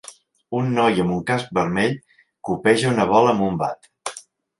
Un noi amb un casc vermell copeja una bola amb un bat.